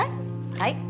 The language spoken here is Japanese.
はい。